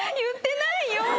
言ってないよ！